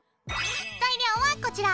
材料はこちら！